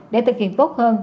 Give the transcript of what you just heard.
để thực hiện tốt hơn